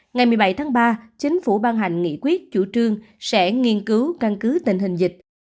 ngày một mươi bảy tháng ba chính phủ ban hành nghị quyết chủ trương sẽ nghiên cứu căn cứ tình hình dịch